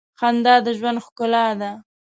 خندا د ژوند ښکلا ده.